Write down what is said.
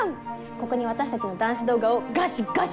ここに私たちのダンス動画をガシガシ！